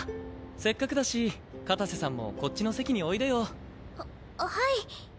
せっかくだし片瀬さんもこっちの席においでよ。ははい。